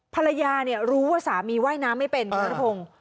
ภรรยารู้ว่าสามีว่ายน้ำไม่เป็นคุณนัทพงศ์